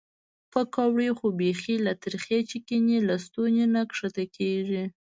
پیکورې خو بیخي له ترخې چکنۍ له ستوني نه ښکته کېږي.